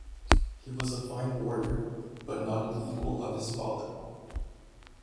He was a fine warrior but not an equal of his father.